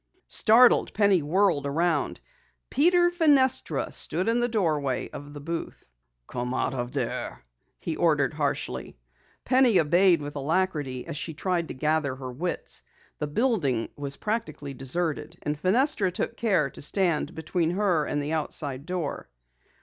Startled, Penny whirled around. Peter Fenestra stood in the doorway of the booth. "Come out of there!" he ordered harshly. Penny obeyed with alacrity as she tried to gather her wits. The building was practically deserted, and Fenestra took care to stand between her and the outside door.